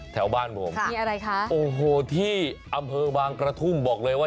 แถวบ้านผมมีอะไรคะโอ้โหที่อำเภอบางกระทุ่มบอกเลยว่า